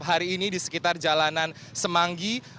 hari ini di sekitar jalanan semanggi